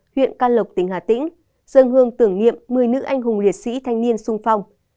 huyện can lộc tỉnh hà tĩnh dân hương tưởng niệm một mươi nữ anh hùng liệt sĩ thanh niên sung phong